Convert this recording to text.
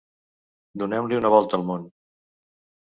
Donem-li una volta al món.